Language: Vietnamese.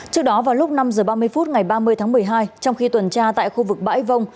trước đó vào lúc năm h ba mươi phút ngày ba mươi tháng một mươi hai trong khi tuần tra tại khu vực bãi vông